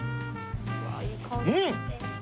うん！